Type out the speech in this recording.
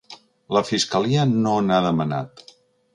La fiscalia no n’ha demanat.